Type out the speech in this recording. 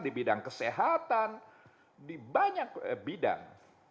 di bidang kesehatan di banyak bidang